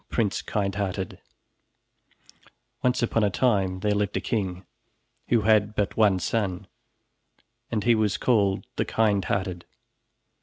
PRINCE KINDHEARTED Once upon a time there lived a king who had but one son, and he was called the Kindhearted.